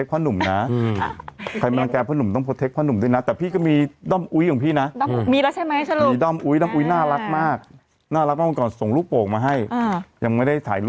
วันนี้ผมก็พอดีมีโอกาสแซนมาออกรายการ